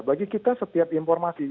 bagi kita setiap informasi